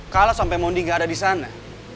kalau sampai mondi nggak ada di sana